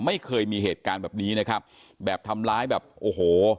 ไม่เคยมีเหตุการณ์แบบนี้นะครับแบบทำร้ายแบบโอ้โห